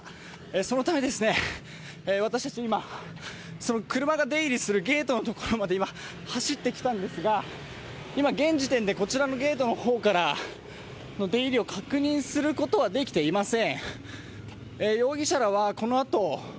そのため、私たち今、車が出入りするゲートのところまで走ってきたんですが、今現時点で、こちらのゲートの方からの出入りを確認することはできていません。